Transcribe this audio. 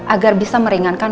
agar bisa meringankan